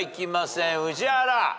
宇治原。